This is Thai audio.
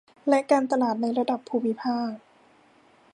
และการตลาดในระดับภูมิภาค